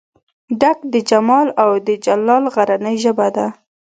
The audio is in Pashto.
ډکه د جمال او دجلال غرنۍ ژبه ده